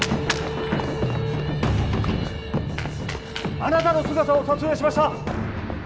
あなたの姿を撮影しました！